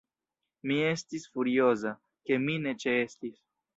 Mi estis furioza, ke mi ne ĉeestis.